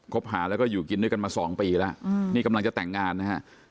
บหาแล้วก็อยู่กินด้วยกันมา๒ปีแล้วนี่กำลังจะแต่งงานนะฮะ